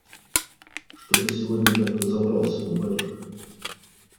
Что ты сегодня так разоврался, мой батюшка?